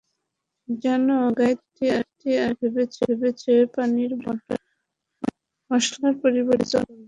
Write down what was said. জানো গায়ত্রী আর ভীনা ভেবেছে পনীর বাটার মাসালার পরিবর্তে অন্য কিছু করবে।